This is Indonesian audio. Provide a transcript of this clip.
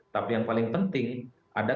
tapi yang paling penting ada